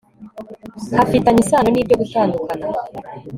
hafitanye isano n'ibyo gutandukana